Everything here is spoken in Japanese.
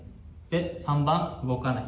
３番、動かない。